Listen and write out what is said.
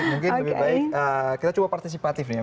mungkin lebih baik kita coba partisipatif nih ya